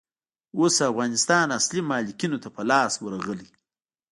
اوس افغانستان اصلي مالکينو ته په لاس ورغلئ.